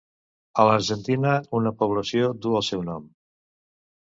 A l'Argentina una població du el seu nom.